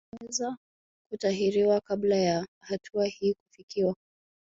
Wanaweza kutahiriwa kabla ya hatua hii kufikiwa